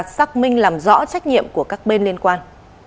xác minh làm rõ trách nhiệm của các bên liên quan